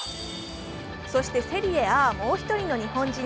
そしてセリエＡもう１人の日本人